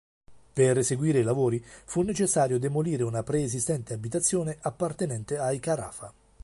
Per eseguire i lavori fu necessario demolire una preesistente abitazione appartenente ai Carafa.